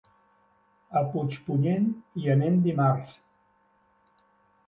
A Puigpunyent hi anem dimarts.